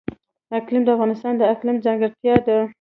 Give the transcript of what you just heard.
اقلیم د افغانستان د اقلیم ځانګړتیا ده.